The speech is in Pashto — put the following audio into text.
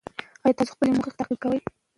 ایا تاسو د خپلو موخو تعقیب کوئ؟